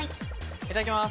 いただきます。